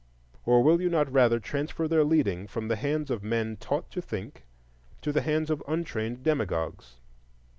or will you not rather transfer their leading from the hands of men taught to think to the hands of untrained demagogues?